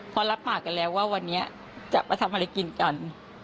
พอรับปากกันแล้วว่าวันนี้จะมาทำอะไรกินกัน